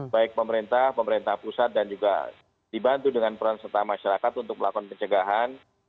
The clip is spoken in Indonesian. baik pemerintah pemerintah pusat dan juga dibantu dengan peran serta masyarakat untuk melakukan pencegahan